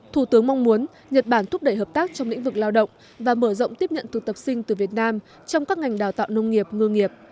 thủ tướng mong muốn nhật bản thúc đẩy hợp tác trong lĩnh vực lao động và mở rộng tiếp nhận từ tập sinh từ việt nam trong các ngành đào tạo nông nghiệp ngư nghiệp